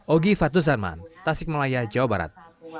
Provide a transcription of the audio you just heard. ogi fatuzarman tasik malaya jawa barat